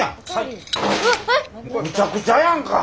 むちゃくちゃやんか。